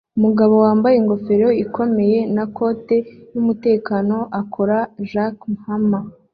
Umugabo wambaye ingofero ikomeye na kote yumutekano akora jackhammer